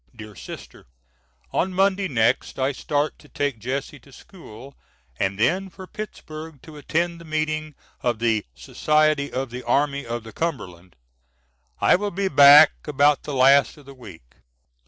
DEAR SISTER: On Monday next I start to take Jesse to school, and then for Pittsburgh to attend the meeting of the "Society of the Army of the Cumberland." I will be back about the last of the week.